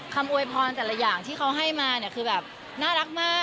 คำอวยพรแต่ละอย่างที่เขาให้มาคือแบบน่ารักมาก